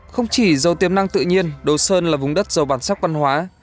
không chỉ dầu tiềm năng tự nhiên đồ sơn là vùng đất dầu bản sắc văn hóa